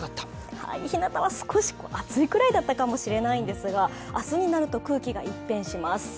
ひなたは少し暑いくらいだったかもしれないですが、明日になると空気、一変します。